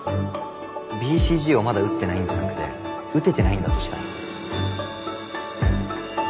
ＢＣＧをまだ打ってないんじゃなくて打ててないんだとしたら。